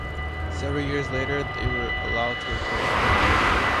Several years later they were allowed to return.